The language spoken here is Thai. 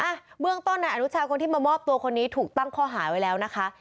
เบื้องต้นนายอนุชาคนที่มามอบตัวคนนี้ถูกตั้งข้อหาไว้แล้วนะคะ